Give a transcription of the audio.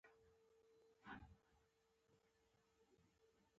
د ګلانو لپاره باید اغزو ته هم اوبه ورکړو.